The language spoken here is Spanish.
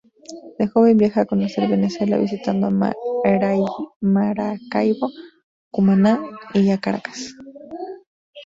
De joven viaja a conocer Venezuela, visitando a Maracaibo, Cumaná y a Caracas.